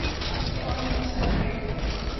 کسی اور ملک جانا پڑے گا